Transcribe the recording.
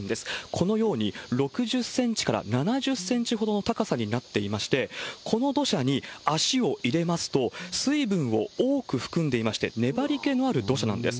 このように、６０センチから７０センチほどの高さになっていまして、この土砂に足を入れますと、水分を多く含んでいまして、粘りけのある土砂なんです。